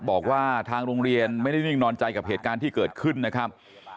บอกว่าทางโรงเรียนไม่ได้นิ่งนอนใจกับเหตุการณ์ที่เกิดขึ้นนะครับ